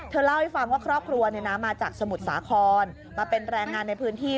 เล่าให้ฟังว่าครอบครัวมาจากสมุทรสาครมาเป็นแรงงานในพื้นที่